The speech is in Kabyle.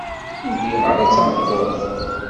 Ur liɣ ara tameṭṭut.